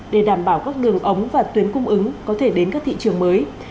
để đảm bảo các đường ống và tuyến cung ứng có thể đến các thị trường mới